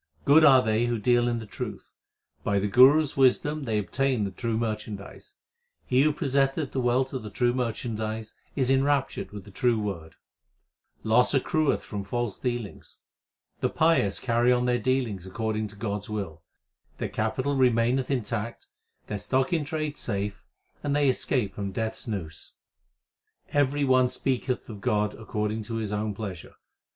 Good are they who deal in the truth ; By the Guru s wisdom they obtain the true merchandise. He who possesseth the wealth of the true merchandise, is enraptured with the true Word. 1 The founders of the Hindu and Muhammadan religions. 366 THE SIKH RELIGION Loss accrueth from false dealings. The pious carry on their dealings according to God s will. Their capital remaineth intact, their stock in trade safe, and they escape from Death s noose. Every one speak eth of God according to his own pleasure.